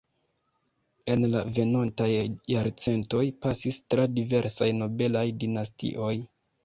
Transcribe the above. En la venontaj jarcentoj pasis tra diversaj nobelaj dinastioj.